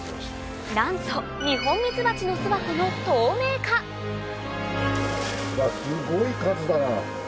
なんとニホンミツバチのうわすごい数だな。